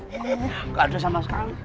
gak ada sama sekali